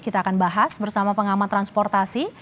kita akan bahas bersama pengamat transportasi